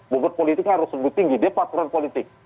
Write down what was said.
bogor politiknya harus lebih tinggi dia pasteran politik